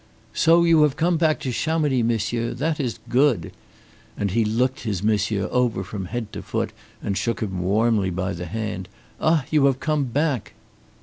"So you have come back to Chamonix, monsieur! That is good"; and he looked his "monsieur" over from head to foot and shook him warmly by the hand. "Ah, you have come back!"